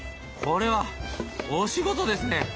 これは大仕事ですね。